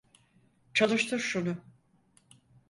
Çalıştır şunu!